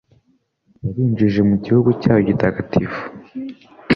Yabinjije mu gihugu cyayo gitagatifu